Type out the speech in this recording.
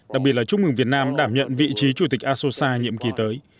đặc biệt là chúc mừng việt nam đảm nhận vị trí chủ tịch asosa nhiệm kỳ tới